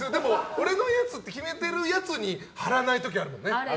俺のやつって決めてるやつに貼らないことあるよね。